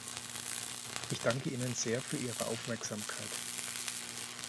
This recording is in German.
Ich danke Ihnen sehr für Ihre Aufmerksamkeit.